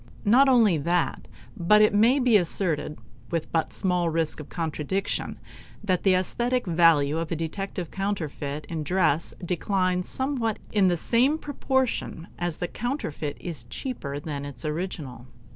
Not only that, but it may be asserted with but small risk of contradiction that the aesthetic value of a detected counterfeit in dress declines somewhat in the same proportion as the counterfeit is cheaper than its original.